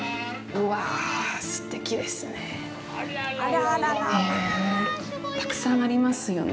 うわ、すてきですね。